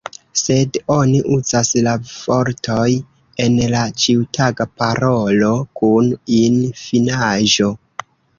Sed oni uzas la vortoj en la ĉiutaga parolo kun -in-finaĵo.